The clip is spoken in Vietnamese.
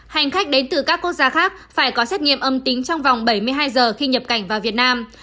hành khách đến từ các quốc gia khác phải có xét nghiệm âm tính trong vòng bảy mươi hai giờ khi nhập cảnh vào việt nam